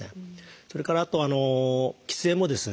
それからあと喫煙もですね